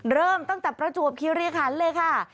เริ่มตั้งแต่ประจวบคิริคันเลยค่ะ